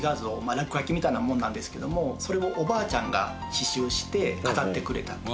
落書きみたいなもんなんですけどもそれをおばあちゃんが刺繍して飾ってくれたと。